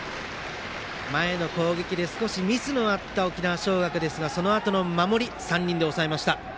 前の攻撃で少しミスのあった沖縄尚学はそのあとの守り３人で抑えました。